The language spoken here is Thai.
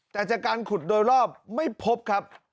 แต่จากการขุดโดยรอบไม่พบครับ